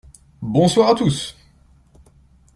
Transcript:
Bonsoir à tous.